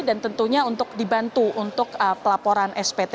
dan tentunya untuk dibantu untuk pelaporan spt